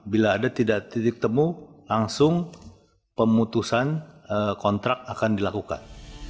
bila ada tidak titik temu langsung pemutusan kontrak akan dilakukan